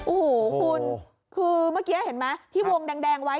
โอ้โหคุณคือเมื่อกี้เห็นไหมที่วงแดงไว้